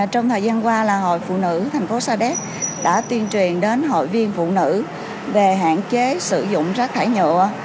trong thời gian qua là hội phụ nữ thành phố sa đéc đã tuyên truyền đến hội viên phụ nữ về hạn chế sử dụng rác thải nhựa